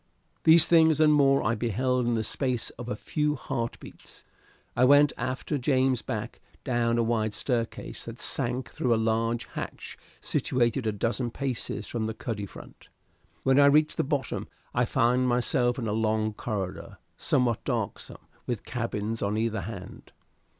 These things and more I beheld in the space of a few heart beats. I went after James Back down a wide staircase that sank through a large hatch situated a dozen paces from the cuddy front. When I reached the bottom I found myself in a long corridor, somewhat darksome, with cabins on either hand.